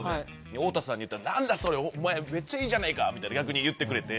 太田さんに言ったら「何だそれ！お前めっちゃいいじゃねえか」みたいな逆に言ってくれて。